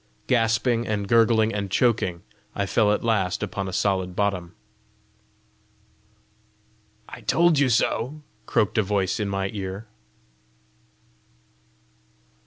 Gasping and gurgling and choking, I fell at last upon a solid bottom. "I told you so!" croaked a voice in my ear.